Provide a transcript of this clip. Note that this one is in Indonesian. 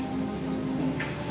jadi itu semua benar mas